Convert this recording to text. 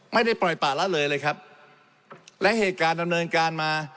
ไม่ได้ปล่อยป่าละเลยเลยครับและเหตุการณ์ดำเนินการมา